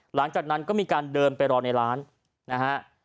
หลังจากนั้นก็มีการเดินไปรอในร้านนะฮะ